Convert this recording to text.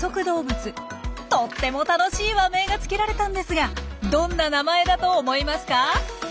とっても楽しい和名がつけられたんですがどんな名前だと思いますか？